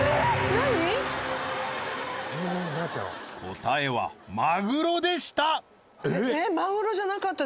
答えはマグロでしたえっ？